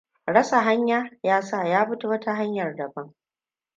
Rasa hanya, ya sa ya bi wata hanyar da ban.